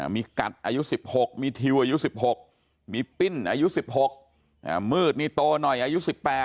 มีกัดอายุ๑๖มีทิวอายุ๑๖มีปิ้นอายุ๑๖มืดนี่โตหน่อยอายุ๑๘